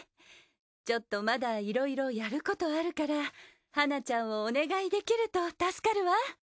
ちょっとまだいろいろやることあるからはなちゃんをお願いできると助かるわ。